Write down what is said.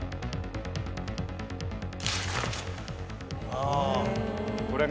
ああ。